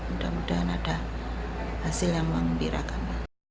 mudah mudahan ada hasil yang mengembirakan